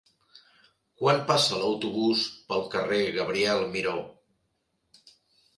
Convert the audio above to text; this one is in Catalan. Quan passa l'autobús pel carrer Gabriel Miró?